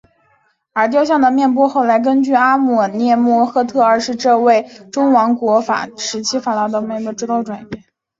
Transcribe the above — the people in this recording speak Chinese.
而雕像的面部后来根据阿蒙涅姆赫特二世这位中王国时期法老的面部重新雕琢了一遍。